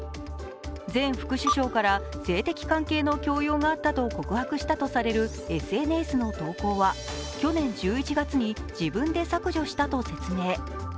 前副首相から性的関係の強要があったと告白したとされるＳＮＳの投稿は去年１１月に自分で削除したと説明。